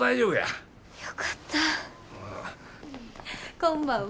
こんばんは。